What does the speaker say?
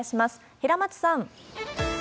平松さん。